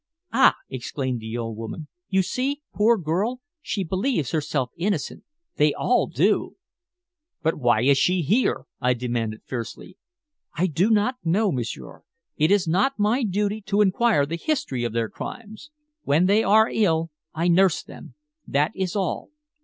"Ah!" exclaimed the old woman. "You see, poor girl, she believes herself innocent! They all do." "But why is she here?" I demanded fiercely. "I do not know, m'sieur. It is not my duty to inquire the history of their crimes. When they are ill I nurse them; that is all."